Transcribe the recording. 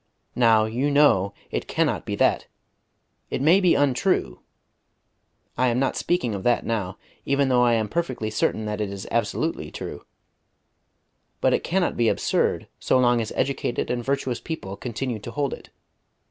Now, you know, it cannot be that! It may be untrue I am not speaking of that now, even though I am perfectly certain that it is absolutely true but it cannot be absurd so long as educated and virtuous people continue to hold it.